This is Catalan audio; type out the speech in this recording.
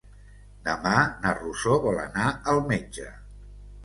Demà na Rosó vol anar al metge.